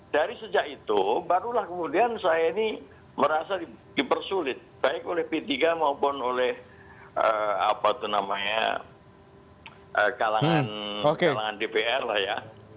dari sejak itu barulah kemudian saya ini merasa dipersulit baik oleh p tiga maupun oleh apa itu namanya kalangan dpr lah ya